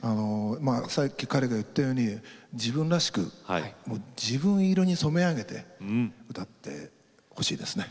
さっき彼が言ったように自分らしく自分色に染め上げて歌ってほしいですね。